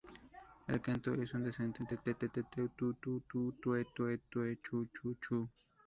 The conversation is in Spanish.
El canto es un descendente "te-te-te-tu-tu-tu-tue-tue-tue-chu-chu-chu".